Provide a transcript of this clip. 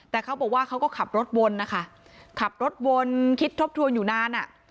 แต่เขาบอกว่าเขาก็ขับรถวนนะคะขับรถวนคิดทบทวนอยู่นานอ่ะ